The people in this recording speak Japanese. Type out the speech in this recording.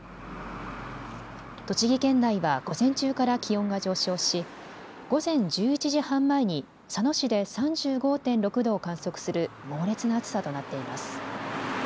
栃木県内は午前中から気温が上昇し午前１１時半前に佐野市で３５．６度を観測する猛烈な暑さとなっています。